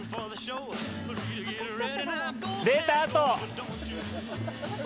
出たあと！